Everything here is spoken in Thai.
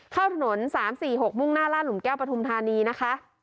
เข้าถนนสามสี่หกมุ่งหน้าราดหลุมแก้วปฐมธานีนะคะ